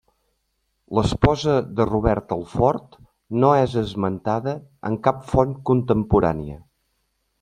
L'esposa de Robert el Fort no és esmentada en cap font contemporània.